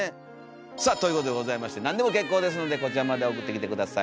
さあということでございまして何でも結構ですのでこちらまで送ってきて下さい。